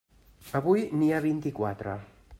Avui n'hi ha vint-i-quatre.